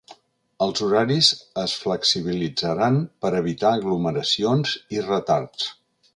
Els horaris es flexibilitzaran per a evitar aglomeracions i retards.